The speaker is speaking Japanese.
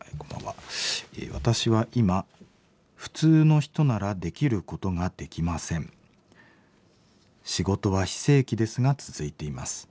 「私は今普通の人ならできることができません。仕事は非正規ですが続いています。